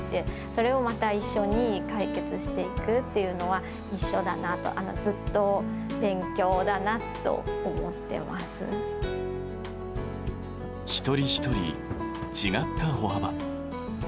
それをまた一緒に解決していくっていうのは、一緒だなと、ずっと一人一人、違った歩幅。